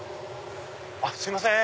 すいません！